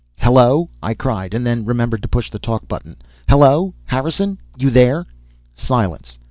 "Hello?" I cried, and then remembered to push the talk button. "Hello? Harrison, you there?" Silence.